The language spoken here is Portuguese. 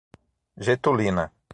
Getulina